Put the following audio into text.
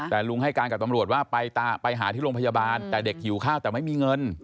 แต่ลุงให้การกับตำรวจว่าไปหาที่โรงพยาบาลแต่เด็กหิวข้าวแต่ไม่มีเงิน